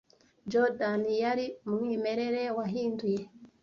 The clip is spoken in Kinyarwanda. Jordan yari umwimerere wahinduye